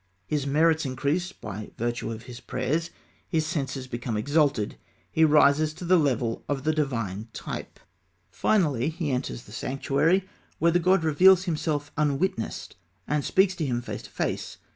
His merits increase by virtue of his prayers; his senses become exalted; he rises to the level of the divine type. Finally he enters the sanctuary, where the god reveals himself unwitnessed, and speaks to him face to face.